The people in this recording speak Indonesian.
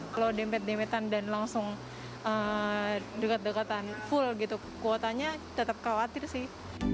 kalau demet demetan dan langsung dekat dekatan full kuotanya tetap khawatir sih